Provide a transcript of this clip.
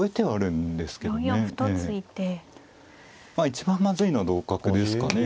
一番まずいのは同角ですかね。